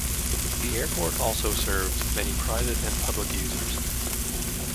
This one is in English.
The airport also serves many private and public users.